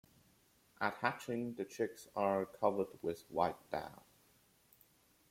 At hatching, the chicks are covered with white down.